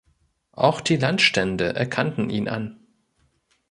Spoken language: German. Auch die Landstände erkannten ihn an.